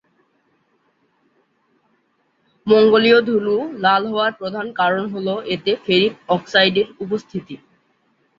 মঙ্গলীয় ধুলো লাল হওয়ার প্রধান কারণ এতে ফেরিক অক্সাইডের উপস্থিতি।